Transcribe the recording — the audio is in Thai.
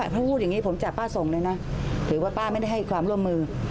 ถ้าพูดอย่างนี้ผมจับป้าส่งเลยนะถือว่าป้าไม่ได้ให้ความร่วมมือ